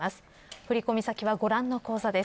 振り込み先はご覧の口座です。